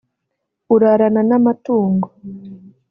urarana n’amatungo